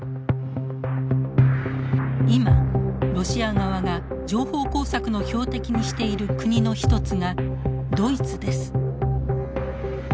今ロシア側が情報工作の標的にしている国の一つがドイツです。